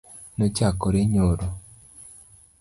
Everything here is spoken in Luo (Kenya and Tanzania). Nochakore nyoro.